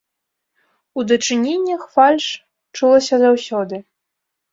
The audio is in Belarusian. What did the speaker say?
У дачыненнях фальш чулася заўсёды.